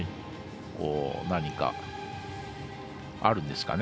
何か、あるんですかね。